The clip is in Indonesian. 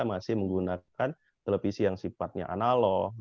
masih menggunakan televisi yang sifatnya analog